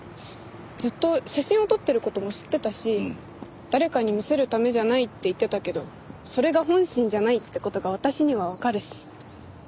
ずっと写真を撮ってる事も知ってたし誰かに見せるためじゃないって言ってたけどそれが本心じゃないって事が私にはわかるし。